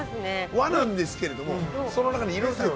和なんですけれどもその中に。